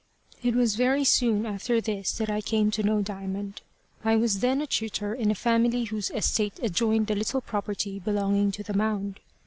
It was very soon after this that I came to know Diamond. I was then a tutor in a family whose estate adjoined the little property belonging to The Mound.